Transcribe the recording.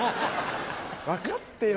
分かってよ